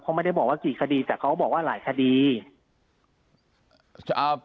เขาไม่ได้บอกว่ากี่คดีแต่เขาบอกว่าหลายคดี